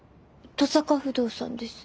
登坂不動産です。